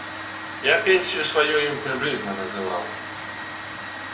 Я пенсію сваю ім прыблізна называў.